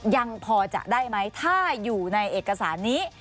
ยังพอจะได้ไหมถ้าอยู่ในเอกสารนี้